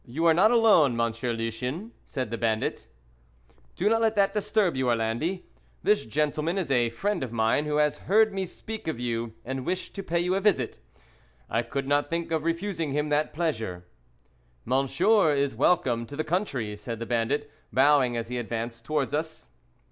"YOU are not alone, Monsieur Lucien," said the bandit. "Do not let that disturb you, Orlandi. This gentleman is a friend of mine, who has heard me speak of you, and wished to pay you a visit. I could not think of refusing him that pleasure." "Monsieur is welcome to the country," said the bandit, bowing as he advanced towards us.